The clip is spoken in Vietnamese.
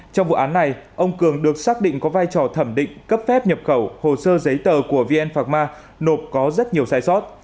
trong vụ án này ông cường được xác định có vai trò thẩm định cấp phép nhập khẩu hồ sơ giấy tờ của vn phạc ma nộp có rất nhiều sai sót